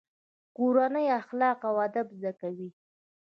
کورنۍ اخلاق او ادب زده کوي.